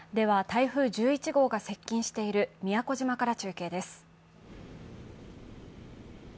台風１１号が接近している宮古島から中継です。